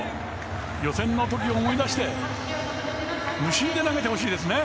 予選の時を思い出して無心で投げてほしいですね。